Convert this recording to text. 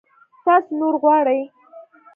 تاسو نور غواړئ؟